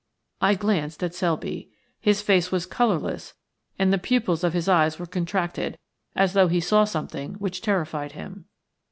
I glanced at Selby. His face was colourless and the pupils of his eyes were contracted, as though he saw something which terrified him.